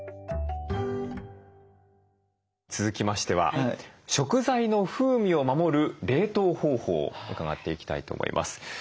続きましては食材の風味を守る冷凍方法伺っていきたいと思います。